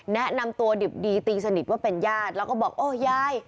แนะนำตัวดิบดีตีสนิทว่าเป็นญาติแล้วก็บอกโอ้ยาย